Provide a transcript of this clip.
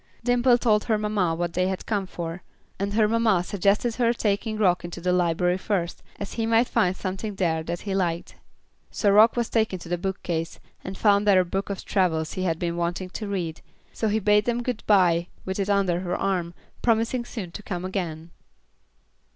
Dimple told her mamma what they had come for, and her mamma suggested her taking Rock into the library first, as he might find something there that he liked. So Rock was taken to the bookcase, and found there a book of travels he had been wanting to read, so he bade them good bye, with it under his arm, promising soon to come again.